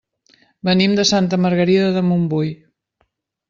Venim de Santa Margarida de Montbui.